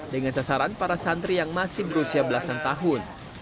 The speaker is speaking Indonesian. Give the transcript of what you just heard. dengan sasaran para santri yang masih berusia belasan tahun